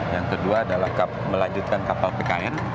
yang kedua adalah melanjutkan kapal pkn